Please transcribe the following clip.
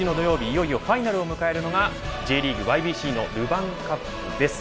いよいよファイナルを迎えるのがＪリーグＹＢＣのルヴァンカップです。